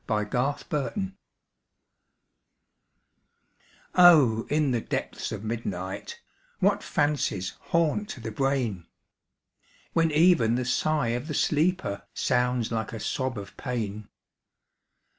IN THE DARK O In the depths of midnight What fancies haunt the brain! When even the sigh of the sleeper Sounds like a sob of pain.